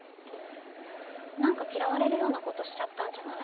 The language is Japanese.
何か嫌われるようなことしちゃったんじゃない？